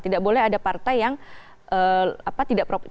tidak boleh ada partai yang tidak proporsi